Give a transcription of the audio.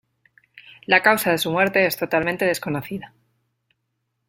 La causa de su muerte es totalmente desconocida.